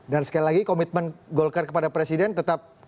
dan sekali lagi komitmen golkar kepada presiden tetap